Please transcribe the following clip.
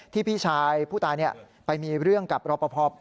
พี่ชายผู้ตายไปมีเรื่องกับรอปภ